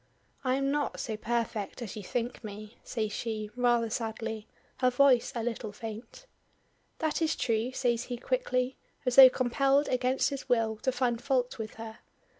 "I am not so perfect as you think me," says she, rather sadly her voice a little faint. "That is true," says he quickly, as though compelled against his will to find fault with her.